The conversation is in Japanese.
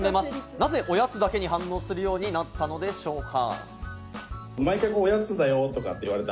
なぜ「おやつ」だけに反応するようになったのでしょうか？